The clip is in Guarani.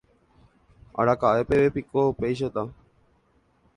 araka'epevépiko péichata